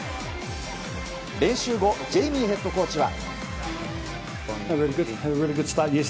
練習後ジェイミーヘッドコーチは。